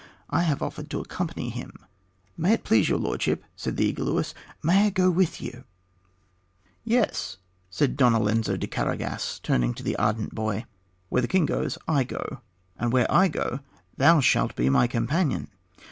I have offered to accompany him." "May it please your lordship," said the eager Luis, "may I go with you?" "Yes," said Don Alonzo de Carregas, turning to the ardent boy. "Where the king goes I go, and where I go thou shalt be my companion.